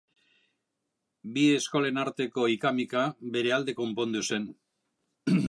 Bi eskolen arteko ika-mika, bere alde konpondu zen.